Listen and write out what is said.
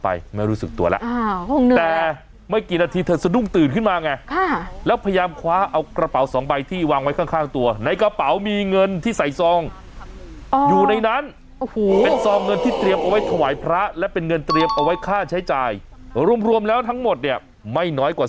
อะไรครับพี่เอาอีกแล้วเอาอีกแล้วเคยมา